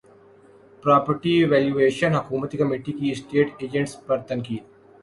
property valuation حکومتی committee کی estate agents پر تنقید